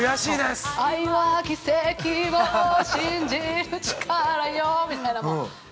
愛は奇跡を信じる力よみたいな。